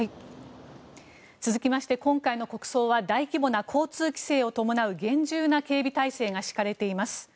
続きまして今回の国葬は大規模な交通規制を伴う厳重な警備態勢が敷かれています。